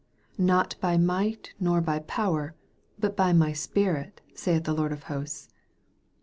" Not by might, nor by power, but by my Spirit, saith the Lord of hosts."